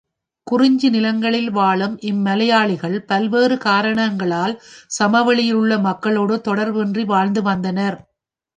குறிஞ்சி நிலங்களில் வாழும் இம் மலையாளிகள் பல்வேறு காரணங்களால் சமவெளியிலுள்ள மக்களோடு தொடர்பின்றி வாழ்ந்து வந்தனர்.